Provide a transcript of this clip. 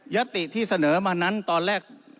ติที่เสนอมานั้นตอนแรก